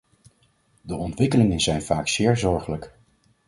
De ontwikkelingen zijn vaak zeer zorgelijk.